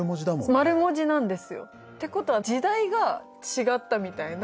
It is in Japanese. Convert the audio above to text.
丸文字なんですよ。って事は時代が違ったみたいな。